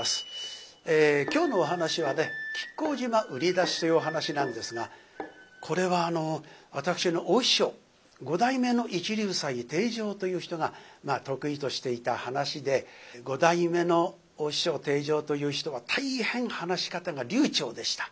今日のお噺は「亀甲縞売出し」というお噺なんですがこれは私の大師匠五代目の一龍斎貞丈という人が得意としていた噺で五代目の大師匠貞丈という人は大変話し方が流ちょうでした。